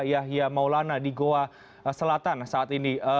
yahya maulana di goa selatan saat ini